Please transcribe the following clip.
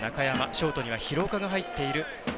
ショートには廣岡が入っている。